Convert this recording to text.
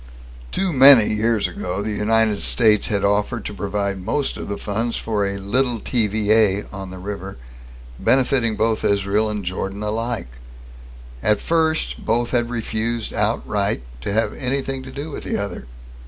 Too many years ago, the United States had offered to provide most of the funds for a "little TVA" on the river, benefitting both Israel and Jordan alike. At first, both had refused outright to have anything to do with the other.